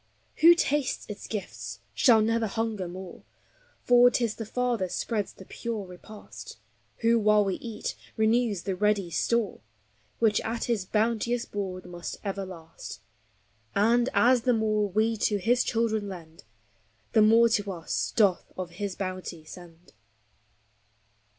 Who tastes its gifts shall never hunger more, For 't is the Father spreads the pure repast, Who, while we eat, renews the ready store, Which at his bounteous board must ever last; And, as the more we to his children lend, The more to us doth of his bounty send.